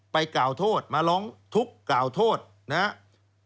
กล่าวโทษมาร้องทุกข์กล่าวโทษนะครับ